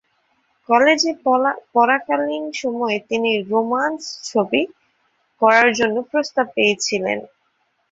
কলেজে পড়াকালীন সময়ে তিনি "রোমান্স ছবি" করার জন্য প্রস্তাব পেয়েছিলেন।